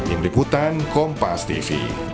imri putan kompas tv